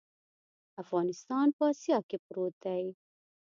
افغانستان په اسیا کې پروت دی.